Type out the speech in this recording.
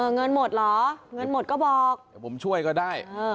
เงินหมดหรอเงินหมดก็บอกผมช่วยก็ได้